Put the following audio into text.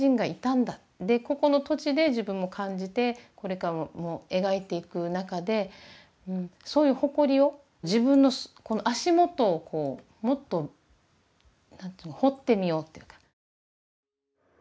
でここの土地で自分も感じてこれからも描いていく中でそういう誇りを自分のこの足元をこうもっと何て言うの掘ってみようっていうか。